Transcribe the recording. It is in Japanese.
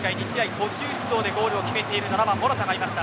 途中出場でゴールを決めている７番のモラタがいました。